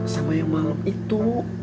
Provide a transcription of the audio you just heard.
sama yang malam itu